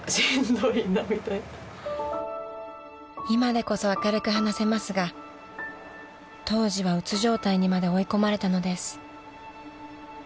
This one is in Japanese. ［今でこそ明るく話せますが当時は鬱状態にまで追い込まれたのです］